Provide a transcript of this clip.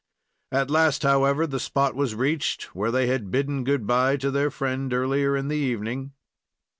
At last, however, the spot was reached where they had bidden good bye to their friend, earlier in the evening.